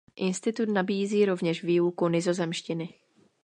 Institut nabízí rovněž výuku nizozemštiny.